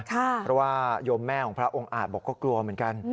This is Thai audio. เพราะว่าโยมแม่ของพระองค์อาจบอกก็กลัวเหมือนกัน